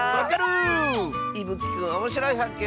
いぶきくんおもしろいはっけん